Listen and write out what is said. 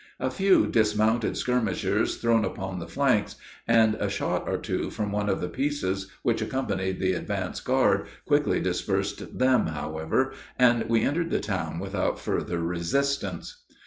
A few dismounted skirmishers thrown upon the flanks, and a shot or two from one of the pieces which accompanied the advance guard, quickly dispersed them, however, and we entered the town without further resistance.